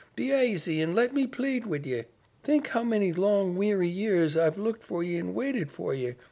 Be aisy and let me plead wid ye. Think how many long, weary years I've looked for ye and waited for ye.